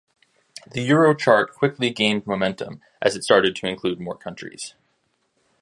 The Eurochart quickly gained momentum, as it started to include more countries.